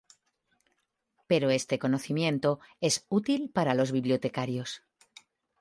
Pero este conocimiento es útil para los bibliotecarios.